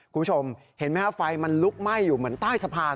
คุณผู้ชมเห็นไหมครับไฟมันลุกไหม้อยู่เหมือนใต้สะพาน